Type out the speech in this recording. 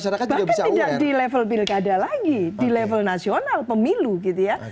jadi bahkan tidak di level pilkada lagi di level nasional pemilu gitu ya